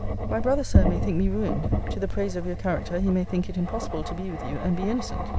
My brother, Sir, may think me ruined; to the praise of your character, he may think it impossible to be with you and be innocent.